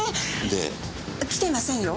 で？来てませんよ？